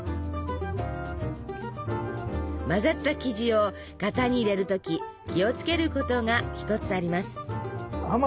混ざった生地を型に入れる時気を付けることが一つあります。